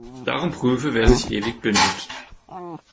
Darum prüfe, wer sich ewig bindet.